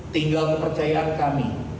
tinggal kepercayaan kami